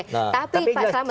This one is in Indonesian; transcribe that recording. tapi pak selamat tolong misalnya